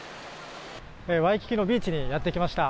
ワイキキのビーチにやってきました。